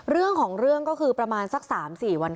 เรื่องของเรื่องก็คือประมาณสัก๓๔วัน